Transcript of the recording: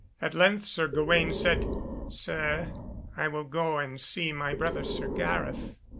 At length Sir Gawaine said, "Sir, I will go and see my brother Sir Gareth."